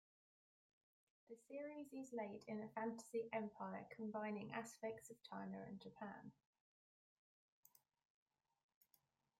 The series is laid in a fantasy empire combining aspects of China and Japan.